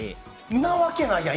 んなわけないやん！